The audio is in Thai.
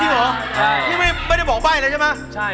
เออไม่ได้บอกป้ายหรอ